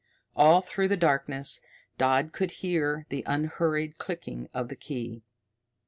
All through the darkness Dodd could hear the unhurried clicking of the key.